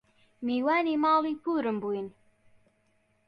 میوانی ماڵی پوورم بووین